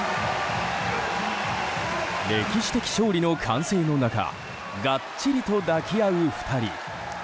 歴史的勝利の歓声の中がっちりと抱き合う２人。